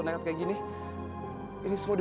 lu lama lama gak selit juga lu